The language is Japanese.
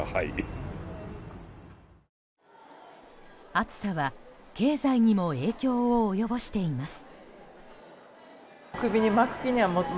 暑さは経済にも影響を及ぼしています。